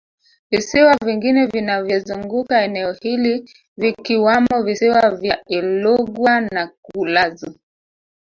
Visiwa vingine vinavyozunguka eneo hili vikiwamo Visiwa vya Ilugwa na Kulazu